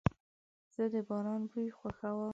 زه د باران بوی خوښوم.